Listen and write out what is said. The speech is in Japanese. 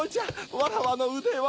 わらわのうでは。